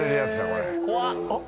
これ怖っ